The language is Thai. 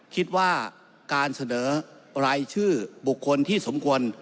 คิดว่าการเสนอรายชื่อบุคคลที่สมควร